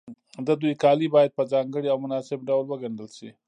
د دوی کالي باید په ځانګړي او مناسب ډول وګنډل شي.